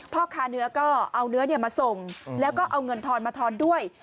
พ่อค้าเนื้อก็เอาเนื้อมาส่งแล้วก็เอาเงินทอนมาทอนด้วย